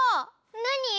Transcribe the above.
なに！？